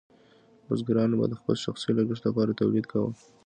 بزګرانو به د خپل شخصي لګښت لپاره تولید کاوه.